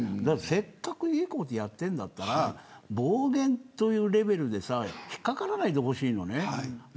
せっかくいいことやってるんだったら暴言というレベルで引っかからないでほしいのね。